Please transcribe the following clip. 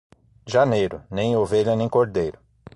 Janeiro, nem ovelha nem cordeiro.